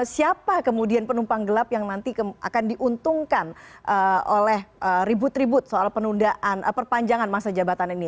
siapa kemudian penumpang gelap yang nanti akan diuntungkan oleh ribut ribut soal penundaan perpanjangan masa jabatan ini